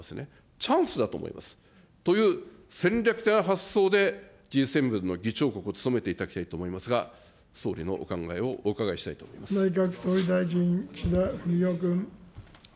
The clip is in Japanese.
チャンスだと思います。という戦略的な発想でＧ７の議長国を務めていただきたいと思いますが、総理のお考えをお伺いした内閣総理大臣、岸田文雄君。